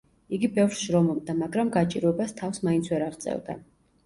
იგი ბევრს შრომობდა, მაგრამ გაჭირვებას თავს მაინც ვერ აღწევდა.